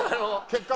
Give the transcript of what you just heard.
結果。